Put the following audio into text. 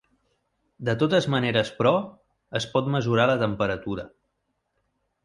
De totes maneres però, es pot mesurar la temperatura.